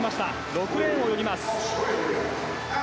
６レーンを泳ぎます。